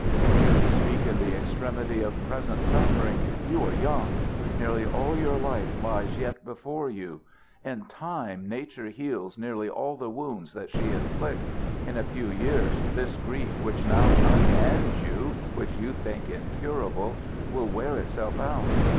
"You speak in the extremity of present suffering. You are young. Nearly all your life lies yet before you. In time Nature heals nearly all the wounds that she inflicts. In a few years this grief which now unmans you which you think incurable will wear itself out.